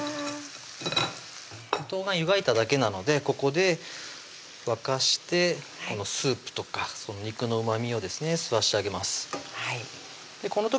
冬瓜湯がいただけなのでここで沸かしてこのスープとか肉のうまみを吸わしてあげます